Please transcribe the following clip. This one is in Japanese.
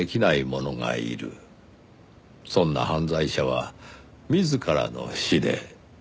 「そんな犯罪者は自らの死で」。